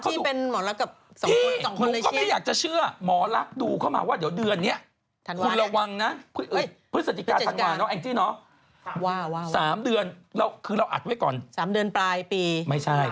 อ๋อที่เป็นหมอรักกับสองคนสองคนเลยใช่